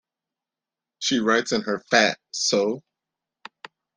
She writes in her Fat!so?